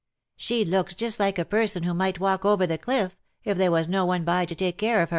^^ She looks just like a person who might Avalk .over the cliff, if there was no one by to take care of